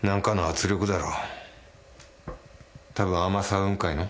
何かの圧力だろ。